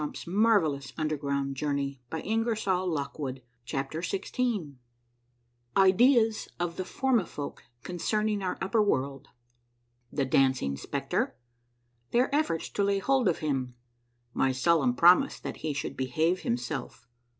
98 A MARVELLOUS UNDERGROUND JOURNEY CHAPTER XVI IDEAS OF THE FORMIFOLK CONCERNING OUR UPPER WORLD. — THE DANCING SPECTRE. — THEIR EFFORTS TO LAY HOLD OF HIM. — MY SOLEMN PROMISE THAT HE SHOULD BEHAVE HIM SELF.